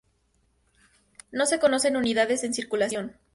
No se conocen unidades en circulación.